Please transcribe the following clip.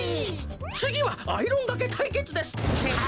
つぎはアイロンがけたいけつです！